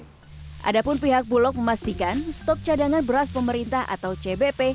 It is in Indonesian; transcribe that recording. padahal pihak bulog memastikan stok cadangan beras pemerintah atau cbp